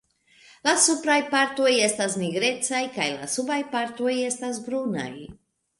La supraj partoj estas nigrecaj kaj la subaj partoj estas brunaj.